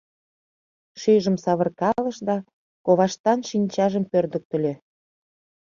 Шӱйжым савыркалыш да коваштан шинчажым пӧрдыктыльӧ.